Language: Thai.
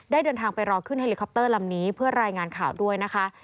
เดินทางไปรอขึ้นเฮลิคอปเตอร์ลำนี้เพื่อรายงานข่าวด้วยนะคะ